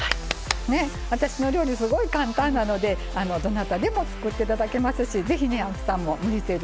私の料理すごい簡単なのでどなたでも作って頂けますしぜひね青木さんも無理せずね